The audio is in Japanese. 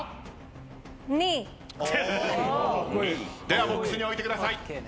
ではボックスに置いてください。